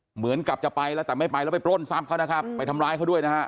เหมือนกับจะไปแล้วแต่ไม่ไปแล้วไปปล้นทรัพย์เขานะครับไปทำร้ายเขาด้วยนะฮะ